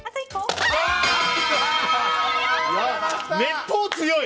めっぽう強い！